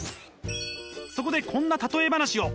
そこでこんな例え話を。